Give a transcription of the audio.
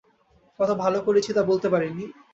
কত ভালো করেছি তা বলতে পারি নি।